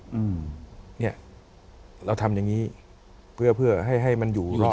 อืมเนี่ยเราทำอย่างนี้เพื่อให้มันอยู่รอด